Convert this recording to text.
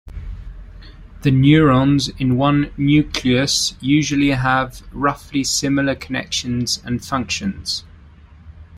The neurons in one nucleus usually have roughly similar connections and functions.